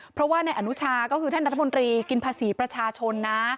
เพราะว่าในอนุชาก็คือท่านรัฐมนตรีกินภาษีประชาชนนะ